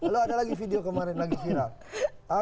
lalu ada lagi video kemarin lagi viral